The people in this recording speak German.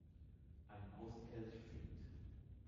Ein Außenkelch fehlt.